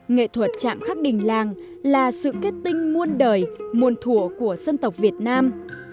nghệ thuật chạm khắc đình làng là sự kết tinh muôn đời muôn thủa của dân tộc việt nam